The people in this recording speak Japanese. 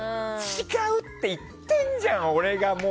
違うって言ってんじゃん！